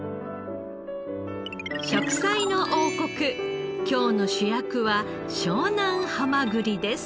『食彩の王国』今日の主役は湘南はまぐりです。